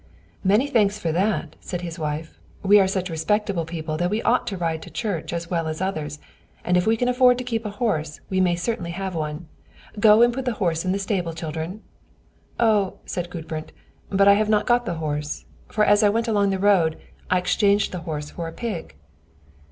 "Many thanks for that," said his wife: "we are such respectable people that we ought to ride to church as well as others; and if we can afford to keep a horse, we may certainly have one. Go and put the horse in the stable, children." "Oh," said Gudbrand, "but I have not got the horse; for as I went along the road, I exchanged the horse for a pig."